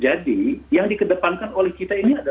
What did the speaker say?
jadi yang dikedepankan oleh kita ini adalah nilai